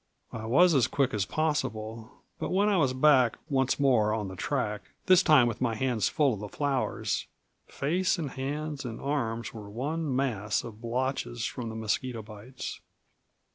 I was as quick as possible; but when I was back once more on the track, this time with my hands full of the flowers, face and hands and arms were one mass of blotches from the mosquito bites.